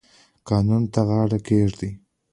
قانون ته غاړه کیږدئ